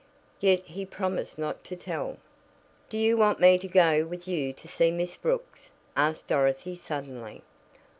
Yet he promised not to tell. "Do you want me to go with you to see Miss Brooks?" asked Dorothy suddenly.